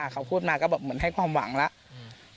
เขาพูดมาก็แบบเหมือนให้ความหวังแล้ว